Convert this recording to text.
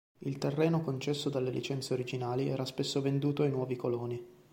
Il terreno concesso dalle licenze originali era spesso venduto ai nuovi coloni.